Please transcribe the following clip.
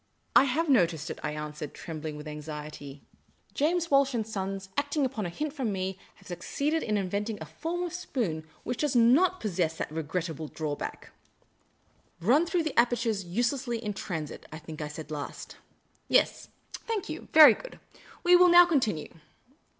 ''" I have noticed it," I answered, trembling with anxiety. " James Walsh and Sons, acting on a hint from me, have The Urbane Old Gentleman 169 succeeded in inventing a form of spoon which does not pos sess that regrettable drawback. ' Run through the apertures uselessly in transit,' I think I said last. Yes, thank you. Very good. We will now continue.